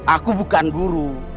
aku bukan guru